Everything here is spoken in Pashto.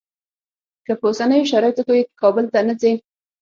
که په اوسنیو شرایطو کې کابل ته نه ځې.